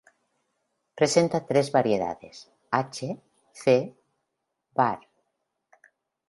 Presenta tres variedades: "H. c." var.